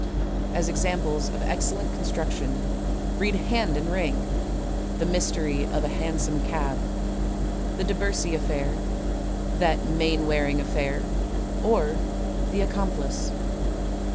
As examples of excellent construction, read, "Hand and Ring," "The Mystery of a Hansom Cab," "The DeBercy Affair," "That Mainwaring Affair," or "The Accomplice."